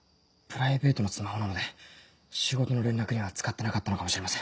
プライベートのスマホなので仕事の連絡には使ってなかったのかもしれません。